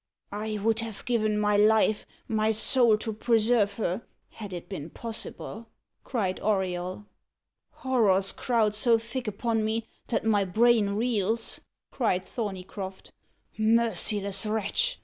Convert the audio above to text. "I would have given my life, my soul, to preserve her, had it been possible!" cried Auriol. "Horrors crowd so thick upon me that my brain reels," cried Thorneycroft. "Merciless wretch!"